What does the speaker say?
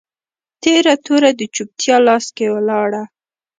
تیره توره د چوپتیا لاس کي ولاړه